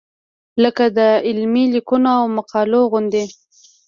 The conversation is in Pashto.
لکه د علمي لیکنو او مقالو غوندې.